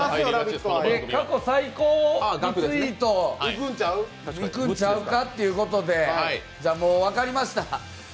過去最高リツイートいくんちゃうかっていうことで、もう分かりました。